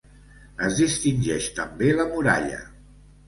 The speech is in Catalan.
Es distingeix també la muralla.